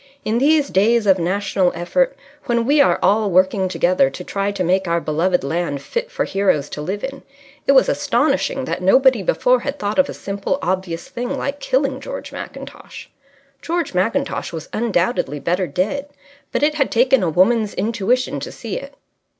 In these days of national effort, when we are all working together to try to make our beloved land fit for heroes to live in, it was astonishing that nobody before had thought of a simple, obvious thing like killing George Mackintosh. George Mackintosh was undoubtedly better dead, but it had taken a woman's intuition to see it.